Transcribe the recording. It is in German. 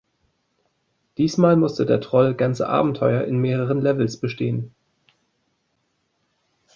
Diesmal musste der Troll ganze Abenteuer in mehreren Levels bestehen.